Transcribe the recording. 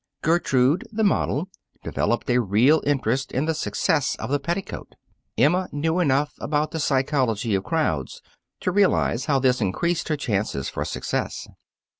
Gertrude, the model, developed a real interest in the success of the petticoat. Emma knew enough about the psychology of crowds to realize how this increased her chances for success.